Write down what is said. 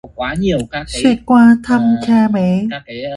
Xoẹt qua thăm cha mẹ